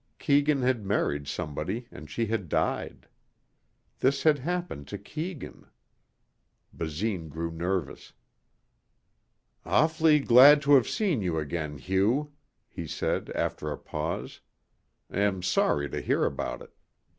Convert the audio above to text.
Keegan had married somebody and she had died. This had happened to Keegan. Basine grew nervous. "Awf'ly glad to have seen you again, Hugh," he said after a pause. "Am sorry to hear about it.